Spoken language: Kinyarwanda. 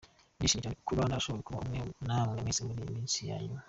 "Ndishimye cyane kuba narashoboye kuba hamwe namwe mwese muri iyi minsi ya nyuma.